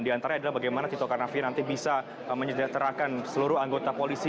di antara adalah bagaimana tito karnavian nanti bisa menyejahterakan seluruh anggota polisi